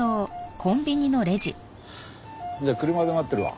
じゃあ車で待ってるわ。